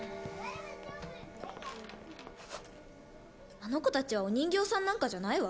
あの子たちはお人形さんなんかじゃないわ。